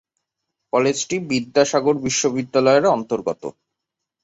কলেজটি বিদ্যাসাগর বিশ্ববিদ্যালয়ের অন্তর্গত।